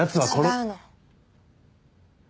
違うの。